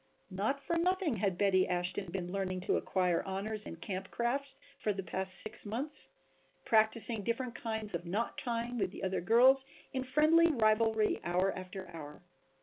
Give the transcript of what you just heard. Not for nothing had Betty Ashton been learning to acquire honors in camp craft for the past six months, practicing different kinds of knot tying with the other girls in friendly rivalry hour after hour.